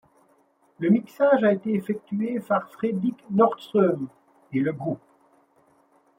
Le mixage a été effectué par Fredrik Nordström et le groupe.